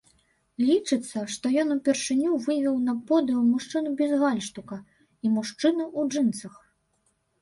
Лічыцца, што ён упершыню вывеў на подыум мужчыну без гальштука і мужчыну ў джынсах.